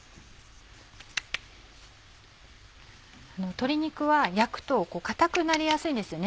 鶏肉は焼くと硬くなりやすいんですよね